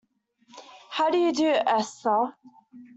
How do you do, Esther?